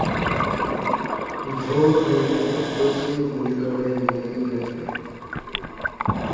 ভোর হয়ে গেলে প্রথম গুলি করলেন মতিউর রহমান।